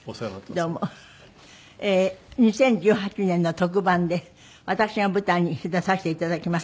２０１８年の特番で私が舞台に出させていただきまして。